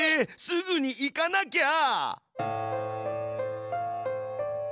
すぐに行かなきゃ！